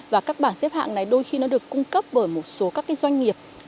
và các bảng xếp hạng này đôi khi nó được cung cấp bởi một số các doanh nghiệp